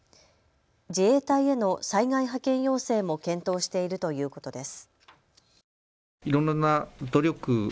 自衛隊への災害派遣要請も検討しているということです。